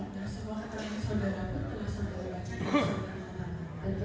tidak ada sama sekali